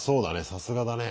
さすがだね。